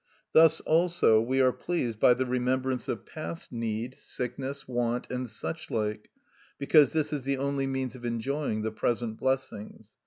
Thus also we are pleased by the remembrance of past need, sickness, want, and such like, because this is the only means of enjoying the present blessings.